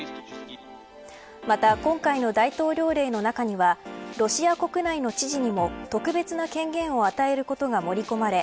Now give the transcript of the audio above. また今回の大統領令の中にはロシア国内の知事にも特別な権限を与えることが盛り込まれ